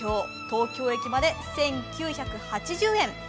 東京駅まで１９８０円。